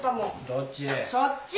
どっち？